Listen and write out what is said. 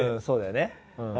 そうだよね。